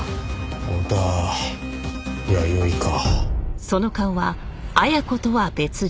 小田弥生か。